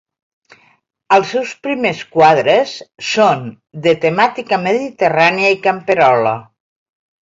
Els seus primers quadres són de temàtica mediterrània i camperola.